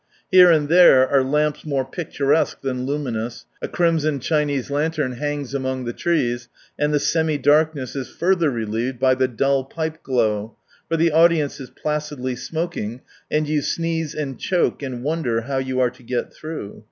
Here and there, are lamps more picturesque than luminous, a crimson Chinese lantern hangs among the trees, and the semi darkness is further relieved by the dull pipe glow, for the audience is placidly smoking, and you sneeze and choke and wonder how you are going to get through.